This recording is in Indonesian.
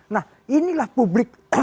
nah inilah publik